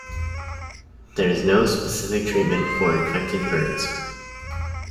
There is no specific treatment for infected birds.